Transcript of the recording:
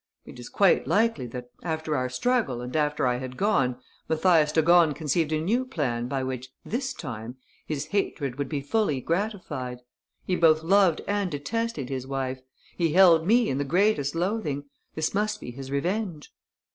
"It is quite likely that, after our struggle and after I had gone, Mathias de Gorne conceived a new plan by which, this time, his hatred would be fully gratified. He both loved and detested his wife. He held me in the greatest loathing. This must be his revenge."